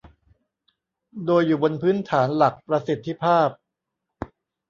โดยอยู่บนพื้นฐานหลักประสิทธิภาพ